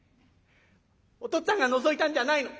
お父っつぁんがのぞいたんじゃないの。